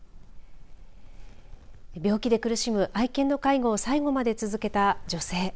病気で苦しむ愛犬の介護を最期まで続けた女性。